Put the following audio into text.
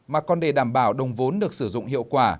mà còn để đảm bảo đồng vốn được sử dụng hiệu quả